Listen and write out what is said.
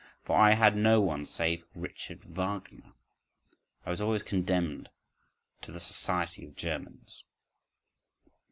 For I had no one save Richard Wagner.… I was always condemned to the society of Germans.